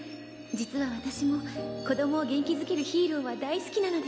「実はわたしも子供を元気づけるヒーローは大好きなのです」